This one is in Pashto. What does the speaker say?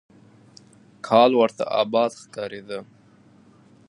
کال ورته آباد ښکارېده.